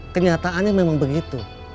kenyataannya memang begitu